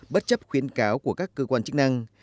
bất chấp khuyến cáo của các cơ quan chức năng